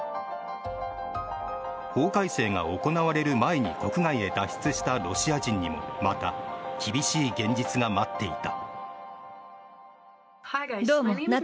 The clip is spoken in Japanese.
法改正が行われる前に国外へ脱出したロシア人にもまた厳しい現実が待っていた。